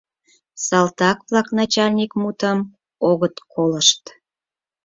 Салтак-влак начальник мутым огыт колышт».